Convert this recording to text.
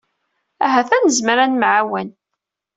Ahat ad nezmer ad nemɛawen.